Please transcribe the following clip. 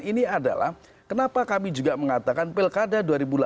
ini adalah kenapa kami juga mengatakan pelkada dua ribu dua puluh satu